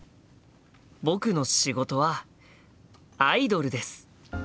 僕の仕事はアイドルです。